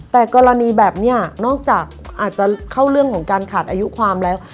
แต่กรณีแบบนี้นอกจากอาจจะเข้าเรื่องของการขาดอายุความแล้ว